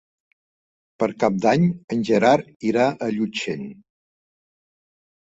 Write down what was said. Per Cap d'Any en Gerard irà a Llutxent.